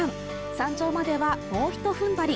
山頂まではもうひとふんばり。